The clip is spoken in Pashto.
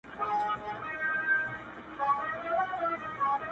د ليري ،ليري څه چي تا وينمه خونـــد راكــــــــــوي,